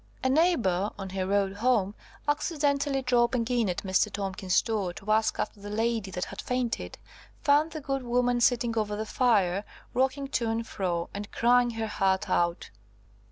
A neighbour, on her road home, accidentally dropping in at Mr. Tomkins's door to ask after the lady that had fainted, found the good woman sitting over the fire, rocking to and fro, and crying her heart out.